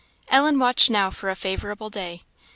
Ellen watched now for a favourable day.